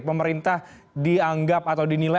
pemerintah dianggap atau dinilai